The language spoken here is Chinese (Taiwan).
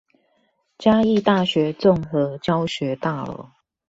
嘉義大學綜合教學大樓